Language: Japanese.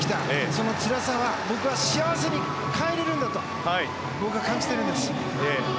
そのつらさは僕は幸せに変えられるんだと僕は感じてるんです。